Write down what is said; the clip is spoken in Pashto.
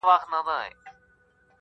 او د ظالم مخه نیول د ټولو مسؤلیت ګڼم